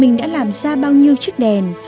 mình đã làm ra bao nhiêu chiếc đèn